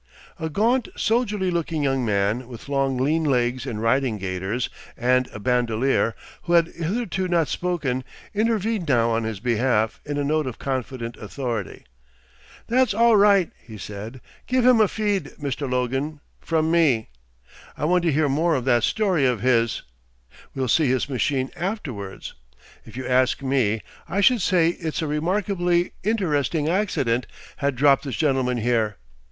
A gaunt soldierly looking young man with long lean legs in riding gaiters and a bandolier, who had hitherto not spoken, intervened now on his behalf in a note of confident authority. "That's aw right," he said. "Give him a feed, Mr. Logan from me. I want to hear more of that story of his. We'll see his machine afterwards. If you ask me, I should say it's a remarkably interesting accident had dropped this gentleman here.